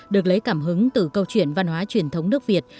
được lấy cảm hứng từ câu chuyện văn hóa truyền thống nước việt